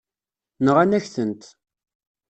Nɣan-ak-tent.